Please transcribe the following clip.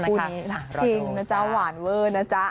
คู่นี้จริงนะจ๊ะหวานเวอร์นะจ๊ะ